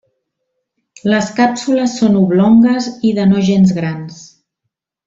Les càpsules són oblongues i de no gens grans.